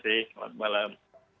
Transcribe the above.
terima kasih waduh balap